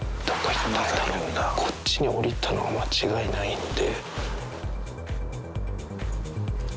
こっちに下りたのは間違いないんで。